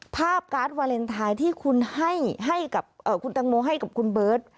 การ์ดวาเลนไทยที่คุณให้กับคุณตังโมให้กับคุณเบิร์ต